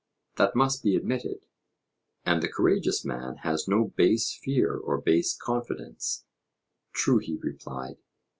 That must be admitted. And the courageous man has no base fear or base confidence? True, he replied.